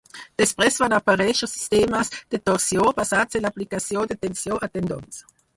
Després van aparèixer sistemes de torsió, basats en l'aplicació de tensió a tendons.